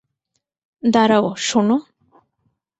দাঁড়াও, শোনো?